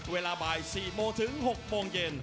เวลาบ่าย๔โมงถึง๖โมงเย็น